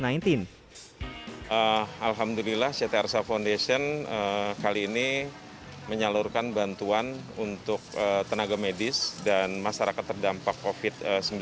alhamdulillah ct arsa foundation kali ini menyalurkan bantuan untuk tenaga medis dan masyarakat terdampak covid sembilan belas